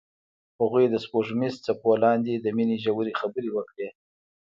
هغوی د سپوږمیز څپو لاندې د مینې ژورې خبرې وکړې.